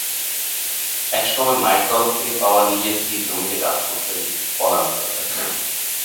একসময় মায়ের তরফ থেকে পাওয়া নিজের সেই জমিতে কাজ করতেন পলান সরকার।